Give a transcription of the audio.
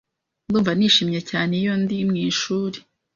Ndumva nishimye cyane iyo ndi mwishuri.